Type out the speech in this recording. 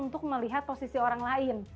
untuk melihat posisi orang lain